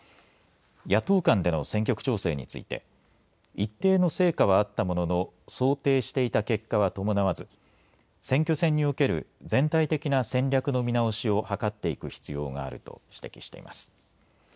野党間での選挙区調整について一定の成果はあったものの想定していた結果は伴わず選挙戦における全体的な戦略の見直しを図っていく必要があると指摘しています。